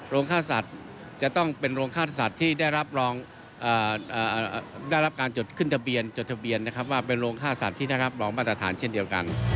โรงค่าสัตว์จะต้องเป็นโรงค่าสัตว์